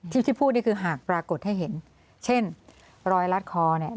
ที่พูดนี่คือหากปรากฏให้เห็นเช่นรอยรัดคอเนี่ย